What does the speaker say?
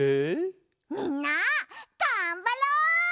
みんながんばろ！